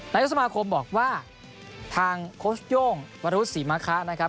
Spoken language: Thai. นายุสมาคมบอกว่าทางโค้ชโย่งวรรษศรีมะคะ